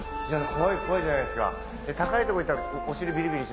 怖い怖いじゃないですか。ねぇ？ねぇ？